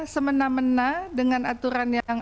semena mena dengan aturan yang